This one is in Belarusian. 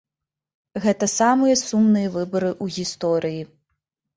Гэта самыя сумныя выбары ў гісторыі.